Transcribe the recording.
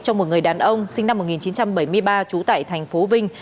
cho một người đàn ông sinh năm một nghìn chín trăm bảy mươi ba trú tại thành phố vinh